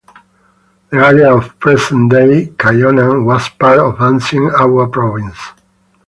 The area of present-day Kyonan was part of ancient Awa Province.